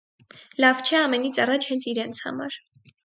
լավ չէ ամենից առաջ հենց իրենց համար: